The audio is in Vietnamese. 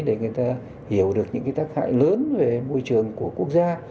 để người ta hiểu được những cái tác hại lớn về môi trường của quốc gia